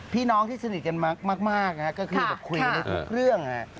พี่น้องที่สนิทกันมากก็คือแบบคุยกันได้ทุกเรื่อง